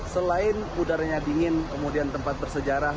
selain udaranya dingin kemudian tempat bersejarah